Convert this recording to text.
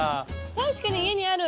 確かに家にある。